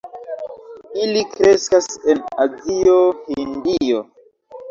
Ili kreskas en Azio, Hindio.